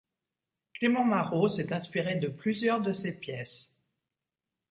Clément Marot s'est inspiré de plusieurs de ses pièces.